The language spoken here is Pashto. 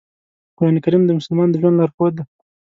قرآن کریم د مسلمان د ژوند لارښود دی.